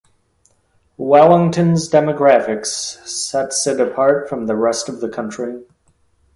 Wellington's demographics sets it apart from the rest of the country.